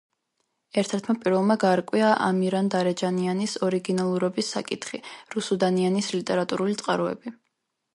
ერთ-ერთმა პირველმა გაარკვია „ამირანდარეჯანიანის“ ორიგინალურობის საკითხი, „რუსუდანიანის“ ლიტერატურული წყაროები.